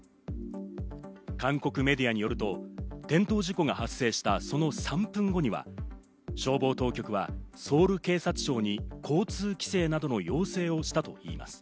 韓国メディアによると転倒事故が発生したその３分後には消防当局はソウル警察庁に交通規制などの要請をしたといいます。